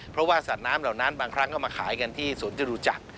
เพราะว่าสัตว์น้ำเหล่านั้นบางครั้งก็มาขายกันที่ศูนย์จรูจักร